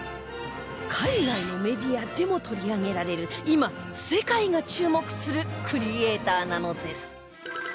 海外のメディアでも取り上げられる今世界が注目するクリエイターなのです